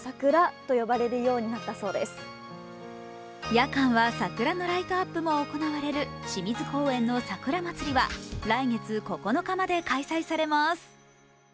夜間は桜のライトアップも行われる清水公園のさくらまつりは来月９日まで開催されます。